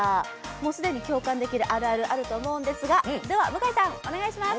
既に共感できるあるあるあると思いますがでは、向井さん、お願いします。